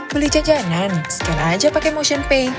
beli jajanan scan aja pake motionpay